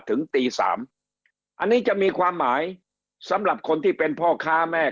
ถึงตีสามอันนี้จะมีความหมายสำหรับคนที่เป็นพ่อค้าแม่